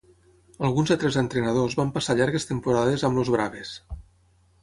Alguns altres entrenadors van passar llargues temporades amb els Braves.